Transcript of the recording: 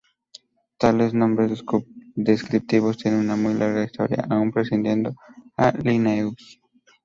Tales nombres descriptivos tienen una muy larga historia, aún precediendo a Linnaeus.